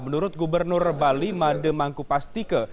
menurut gubernur bali mande mangku pastike